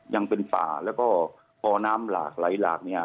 ยังเป็นป่าแล้วก็พอน้ำหลากไหลหลากเนี่ย